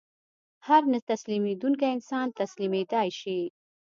هر نه تسلیمېدونکی انسان تسلیمېدای شي